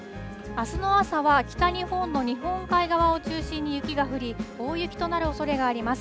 あすの朝は、北日本の日本海側を中心に雪が降り、大雪となるおそれがあります。